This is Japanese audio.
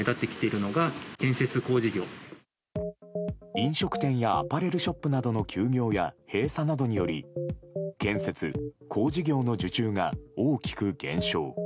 飲食店やアパレルショップなどの休業や閉鎖などにより建設・工事業の受注が大きく減少。